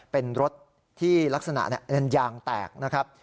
เป็นรถที่ลักษณะยางแตกนะครับ